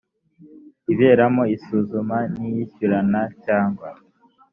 iberamo isuzuma n iyishyurana cyangwa